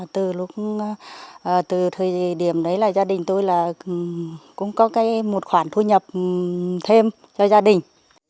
từ thời điểm đấy gia đình tôi cũng có một khoản thu nhập thêm cho gia đình